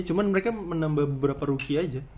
cuma mereka menambah beberapa rookie aja